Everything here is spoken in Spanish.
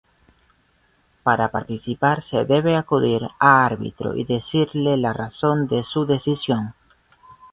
Para participar, se debe acudir a Árbitro y decirle la razón de su decisión.